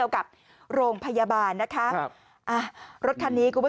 กับโรงพยาบาลเลยครับรถคันนี้คุณผู้